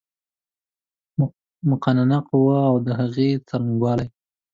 مقننه قوه اود هغې څرنګوالی